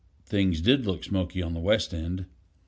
Things did look smoky on the West End.